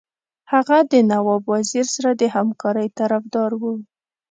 هغه د نواب وزیر سره د همکارۍ طرفدار وو.